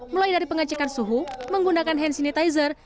mulai dari pengecekan suhu menggunakan hand sanitizer